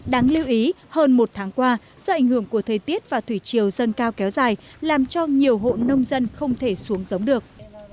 đáng lưu ý hơn một tháng qua do ảnh hưởng của thời tiết và thủy triều dâng cao kéo dài làm cho nhiều hộ nông dân không thể xuống giống được